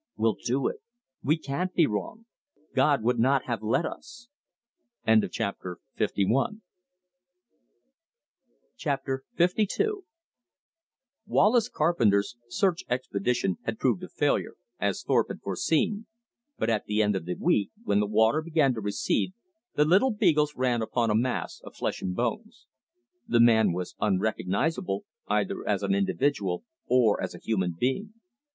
"We'll do it! We can't be wrong. God would not have let us!" Chapter LII Wallace Carpenter's search expedition had proved a failure, as Thorpe had foreseen, but at the end of the week, when the water began to recede, the little beagles ran upon a mass of flesh and bones. The man was unrecognizable, either as an individual or as a human being.